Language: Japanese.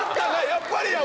やっぱりやわ！